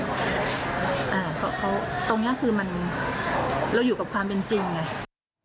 เพราะเขาตรงนี้คือมันเราอยู่กับความเป็นจริงไง